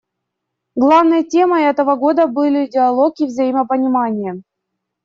Главной темой этого Года были диалог и взаимопонимание.